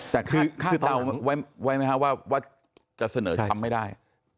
แต่คากตอบไว่ไหมคะว่าจะเสนอคำไม่ได้